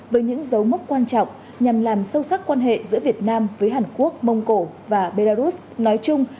với những dấu mốc quan trọng nhằm làm sâu sắc quan hệ giữa việt nam với hàn quốc mông cổ và belarus nói chung